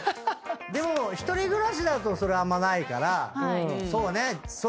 でも１人暮らしだとそれあんまないからそうね。